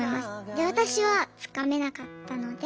で私はつかめなかったので。